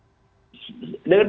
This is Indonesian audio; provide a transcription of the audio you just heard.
dari data yang ada saya kira